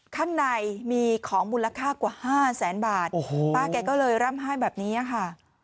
ข้างในมีของมูลค่ากว่าห้าแสนบาทโอ้โหป้าแกก็เลยร่ำไห้แบบนี้ค่ะ